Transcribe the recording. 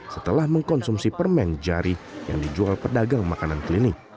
setelah mengkonsumsi permen jari yang dijual pedagang makanan klinik